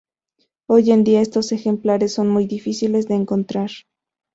Hoy en día estos ejemplares son muy difíciles de encontrar.